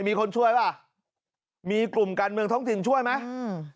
มีคนช่วยป่ะมีกลุ่มการเมืองท้องถิ่นช่วยไหมอืม